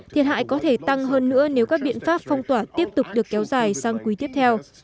thiệt hại có thể tăng hơn nữa nếu các biện pháp phong tỏa tiếp tục được kéo dài sang quý tiếp theo